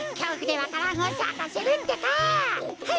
はい！